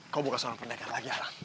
kau bukan seorang pendekat lagi alang